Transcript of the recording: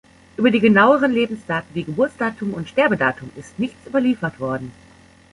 Über die genaueren Lebensdaten, wie Geburtsdatum und Sterbedatum, ist nichts überliefert worden.